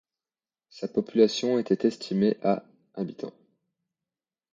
Sa population était estimée à habitants.